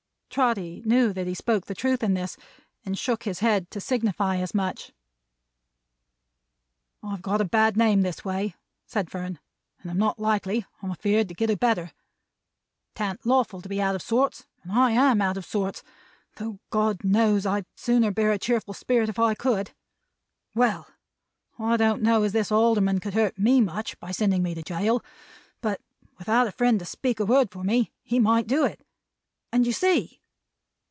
Trotty knew that he spoke the truth in this, and shook his head to signify as much. "I've got a bad name this way," said Fern; "and I'm not likely, I'm afeared, to get a better. 'Tan't lawful to be out of sorts, and I AM out of sorts, though God knows, I'd sooner bear a cheerful spirit if I could. Well! I don't know as this Alderman could hurt me much by sending me to gaol; but without a friend to speak a word for me, he might do it; and you see